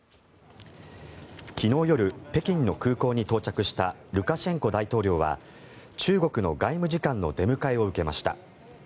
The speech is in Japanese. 昨日夜、北京の空港に到着したルカシェンコ大統領は中国の外務次官の出迎えを受けました。